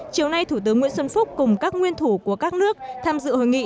chiều nay thủ tướng nguyễn xuân phúc cùng các nguyên thủ của các nước tham dự hội nghị